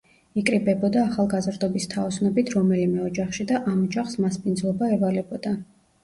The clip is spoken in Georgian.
იკრიბებოდა ახალგაზრდობის თაოსნობით რომელიმე ოჯახში და ამ ოჯახს მასპინძლობა ევალებოდა.